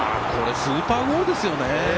スーパーゴールですよね。